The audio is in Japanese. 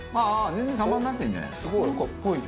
全然様になってるじゃないですか。